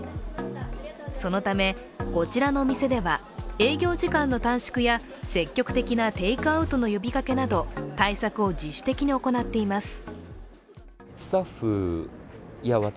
そのため、こちらの店では営業時間の短縮や積極的なテイクアウトの呼びかけなど対策を自主的に行っています。